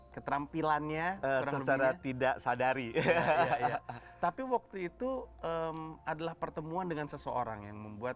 ketampilannya secara tidak sadari tapi waktu itu adalah pertemuan dengan seseorang yang membuat